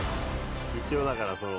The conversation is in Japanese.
「一応だからその」